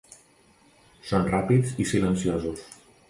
Són ràpids i silenciosos.